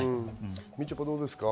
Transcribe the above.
みちょぱ、どうですか？